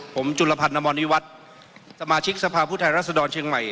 ผมจุลพันธ์อมรวิวัฒน์สมาชิกสภาพผู้แทนรัศดรเชียงใหม่